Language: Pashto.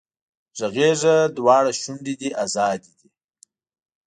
غږېږه دواړه شونډې دې ازادې دي